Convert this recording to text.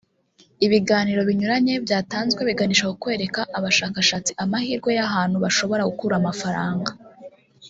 Ibiganiro binyuranye byatanzwe biganisha ku kwereka abashakashatsi amahirwe y’ahantu bashobora gukura amafaranga